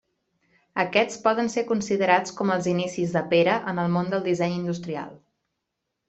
Aquests poden ser considerats com els inicis de Pere en el món del disseny industrial.